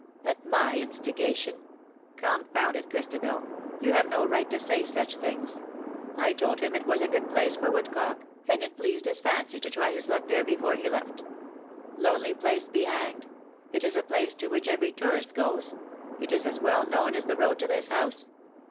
'' "At my instigation? — confound it, Christabel — you have no right to say such things. T told him it 24 "with such remorseless speed was a good place for woodcock — aud it pleased his fancy to try Ms luck there before he left. Lonely place^ be hanged. It is a place to which every tourist goes — it is as well known as the road to this house.